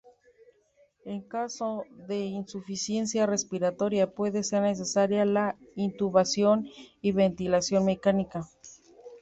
En caso de insuficiencia respiratoria puede ser necesaria la intubación y ventilación mecánica.